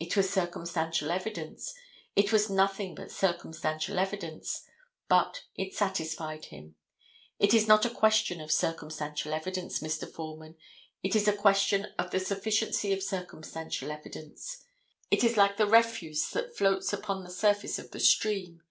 It was circumstantial evidence; it was nothing but circumstantial evidence, but it satisfied him. It is not a question of circumstantial evidence, Mr. Foreman; it is a question of the sufficiency of circumstantial evidence. It is like the refuse that floats upon the surface of the stream.